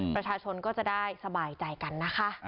ประชาชนก็จะได้สบายใจกันนะคะ